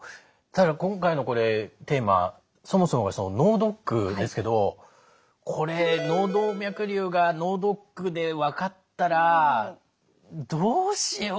ただ今回のテーマそもそもが脳ドックですけどこれ脳動脈瘤が脳ドックで分かったらどうしよう？